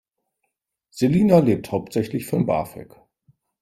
Selina lebt hauptsächlich von BAföG.